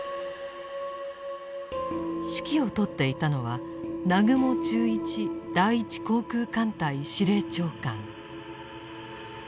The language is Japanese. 指揮を執っていたのは南雲忠一第一航空艦隊司令長官。